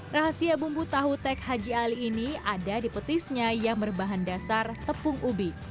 rahasia bumbu tahu tek haji ali ini ada di petisnya yang berbahan dasar tepung ubi